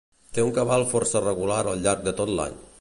Té un cabal força regular al llarg de tot l'any.